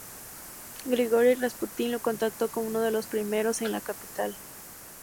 Grigori Rasputin lo contactó como uno de los primeros en la capital.